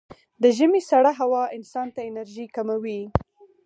د ژمي سړه هوا انسان ته انرژي کموي.